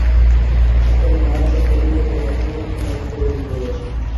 এস্থলে মায়া-শব্দ ইন্দ্রজাল বা অনুরূপ কোন অর্থে ব্যবহৃত হইয়াছে।